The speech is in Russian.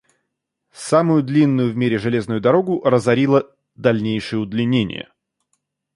Самую длинную в мире железную дорогу разорило дальнейшее удлинение.